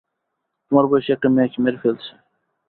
তোমার বয়সী একটা মেয়েকে মেরে ফেলেছে।